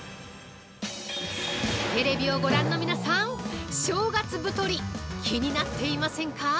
テレビをご覧のみなさん、正月太り、気になっていませんか？